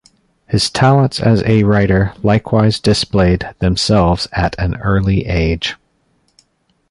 His talents as a writer likewise displayed themselves at an early age.